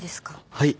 はい。